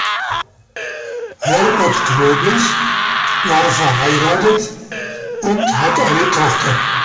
Herbert Knoblich war verheiratet und hat eine Tochter.